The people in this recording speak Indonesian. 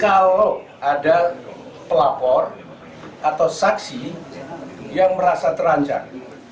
kalau ada pelapor atau saksi yang merasa terancam